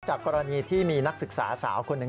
กรณีที่มีนักศึกษาสาวคนหนึ่ง